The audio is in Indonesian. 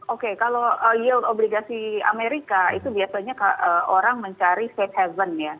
oke kalau yield obligasi amerika itu biasanya orang mencari safe haven ya